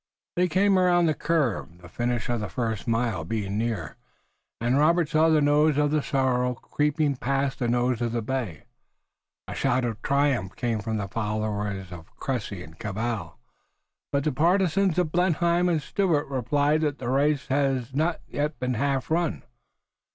They came around the curve, the finish of the first mile being near, and Robert saw the nose of the sorrel creeping past the nose of the bay. A shout of triumph came from the followers of Cressy and Cabell, but the partisans of Blenheim and Stuart replied that the race was not yet half run.